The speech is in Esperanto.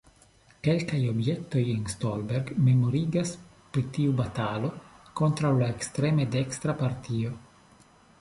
Kelkaj objektoj en Stolberg memorigas pri tiu batalo kontraŭ la ekstreme dekstra partio.